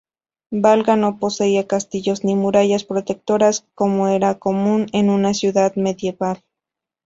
Valga no poseía castillos ni murallas protectoras, como era común en una ciudad medieval.